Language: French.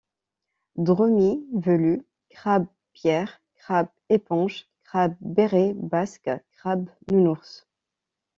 Dromie velue, crabe-pierre, crabe-éponge, crabe-béret basque, crabe-nounours.